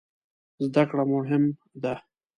زده کړه مهم ده